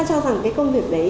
tôi cho rằng cái công việc đấy